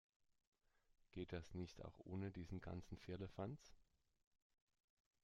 Geht das nicht auch ohne diesen ganzen Firlefanz?